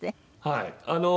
はい。